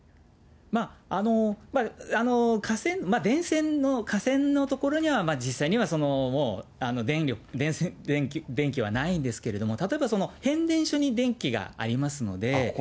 まあ、架線、電線の、架線のところには実際にはもう電気はないんですけれども、例えば変電所に電気がありますので。